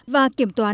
và kiểm toán